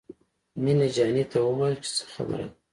مينه جانې ته ووايه چې څه خبره ده.